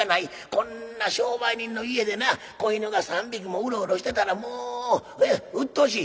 こんな商売人の家でな子犬が３匹もウロウロしてたらもううっとうしい。